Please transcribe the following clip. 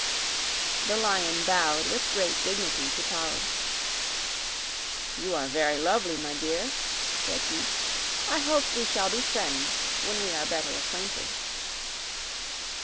The Lion bowed with great dignity to Polly. "You are very lovely, my dear," said he. "I hope we shall be friends when we are better acquainted."